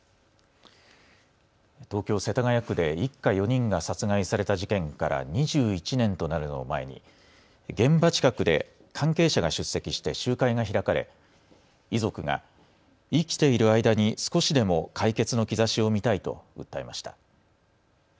東京世田谷区で一家４人が殺害された事件から２１年となるのを前に現場近くで関係者が出席して集会が開かれ遺族が生きている間に少しでも解決の兆しを見たいと訴えました。